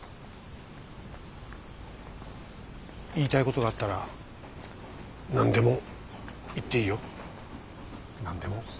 言いたいことがあったら何でも言っていいよ。何でも言っていい。